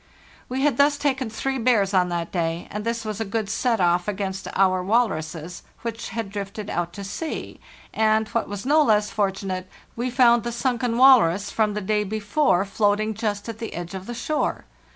We had thus taken three bears on that day, and this was a good set off against our walruses, which had drifted out to sea, and, what was no less fortunate, we found the sunken walrus from the day before floating just at the edge of the shore.